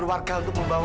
nggak ada dewi